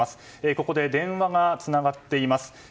ここで電話がつながっています。